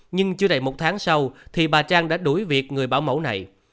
nhưng chưa đầy một tháng sau thì bà trang đã đuổi việc người bảo mẫu này